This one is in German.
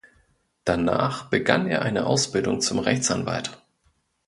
Danach begann er eine Ausbildung zum Rechtsanwalt.